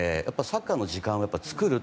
サッカーの時間を作る。